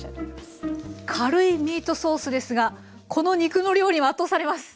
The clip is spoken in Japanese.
軽いミートソースですがこの肉の量には圧倒されます。